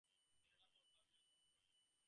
In order from southwest to north.